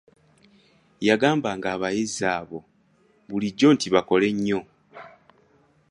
Yagambanga ng'abayizzi aba bulijjo nti bakole nnyo..